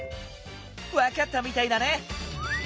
わかったみたいだね！